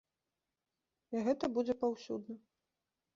І гэта будзе паўсюдна.